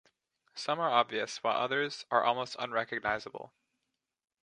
Some are obvious, while others are almost unrecognizable.